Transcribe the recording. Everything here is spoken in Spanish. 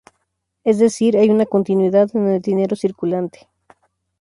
Es decir, hay una continuidad en el dinero circulante.